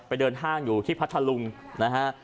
เดินห้างอยู่ที่พัทธลุงนะฮะ